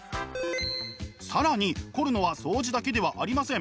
更に凝るのはそうじだけではありません。